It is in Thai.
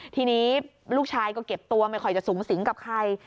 ทีนี้ลูกชายก็เก็บตัวไม่ค่อยจะสูงสิงกับใคร